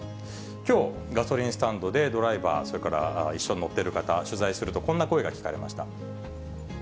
きょうガソリンスタンドでドライバー、それから一緒に乗っている方、取材すると、こんな声が聞かれました。